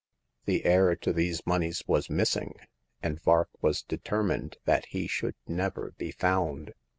The heir to these moneys was missing, and Vark was deter mined that he should never be found.